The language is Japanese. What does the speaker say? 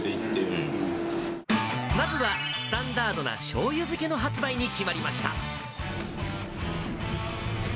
まずはスタンダードなしょうゆ漬けの発売に決まりました。